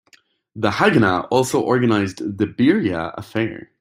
The Haganah also organized the Birya affair.